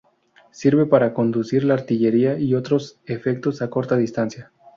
Sirve para conducir la artillería y otros efectos a cortas distancias.